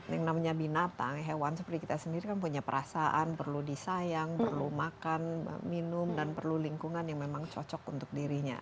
yang namanya binatang hewan seperti kita sendiri kan punya perasaan perlu disayang perlu makan minum dan perlu lingkungan yang memang cocok untuk dirinya